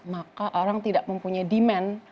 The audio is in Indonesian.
maka orang tidak mempunyai demand